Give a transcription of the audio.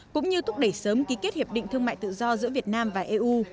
cũng như thúc đẩy sớm ký kết hiệp định thương mại tự do giữa việt nam và eu